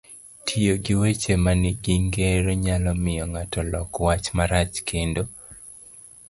Tiyo gi weche manigi ngero nyalo miyo ng'ato lok wach marach, kendo